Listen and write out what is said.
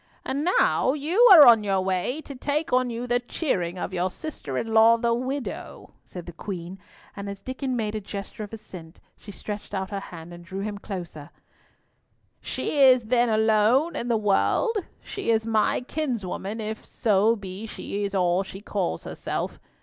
"And now you are on your way to take on you the cheering of your sister in law, the widow," said the Queen, and as Diccon made a gesture of assent, she stretched out her hand and drew him nearer. "She is then alone in the world. She is my kinswoman, if so be she is all she calls herself.